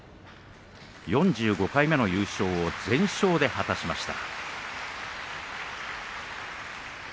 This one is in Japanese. ４５回目の優勝を全勝で果たしました。